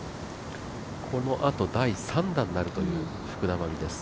このあと、第３打になるという福田真未です。